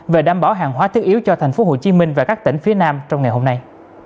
về đảm bảo hàng hóa thiết yếu cho thành phố hồ chí minh và các tỉnh phía nam trong ngày hôm nay